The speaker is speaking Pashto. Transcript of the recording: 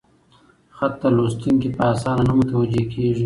خط ته لوستونکي په اسانه نه متوجه کېږي: